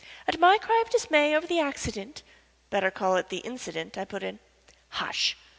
At my cry of dismay over the accident " "Better call it the incident," I put in. "Hush!